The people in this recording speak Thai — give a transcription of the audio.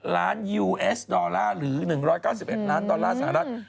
ล้านยูเอสดอลลาร์หรือ๑๙๑ล้านดอลลาร์สหรัฐ